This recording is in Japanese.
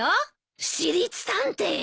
私立探偵！？